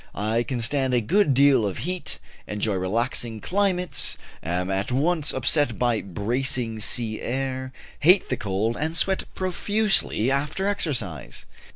I can stand a good deal of heat, enjoy relaxing climates, am at once upset by "bracing" sea air, hate the cold, and sweat profusely after exercise.